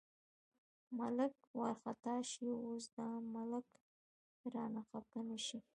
ملک وارخطا شي، اوس دا ملک رانه خپه نه شي.